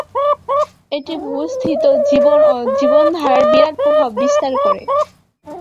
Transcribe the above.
এটি ভূ-স্থিত জীবন ও জীবনধারায় বিরাট প্রভাব বিস্তার করে।